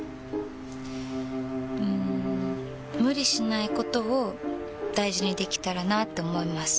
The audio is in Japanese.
うん無理しないことを大事にできたらなって思います。